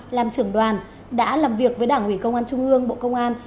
làm trưởng đoàn đã làm việc với đảng ủy công an trung ương bộ công an